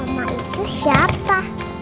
oma itu siapa